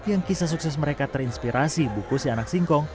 yang kisah sukses mereka terinspirasi buku si anak singkong